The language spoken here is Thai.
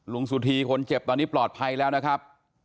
สุธีคนเจ็บตอนนี้ปลอดภัยแล้วนะครับ